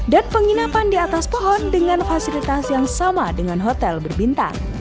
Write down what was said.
dan penginapan di atas pohon dengan fasilitas yang sama dengan hotel berbintang